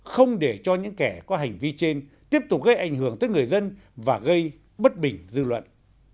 không để cho những kẻ có hành vi trên tiếp tục gây ảnh hưởng tới người dân và gây bất bình dư luận